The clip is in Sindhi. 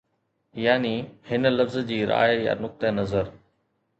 يعني هن لفظ جي راءِ يا نقطه نظر